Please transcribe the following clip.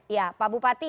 ya pak bupati